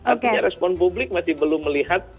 artinya respon publik masih belum melihat